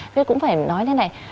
thế cũng phải nói thế này